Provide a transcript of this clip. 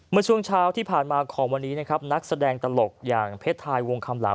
เมื่อช่วงเช้าที่ผ่านมาของวันนี้นะครับนักแสดงตลกอย่างเพชรไทยวงคำเหลา